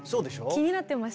気になってました。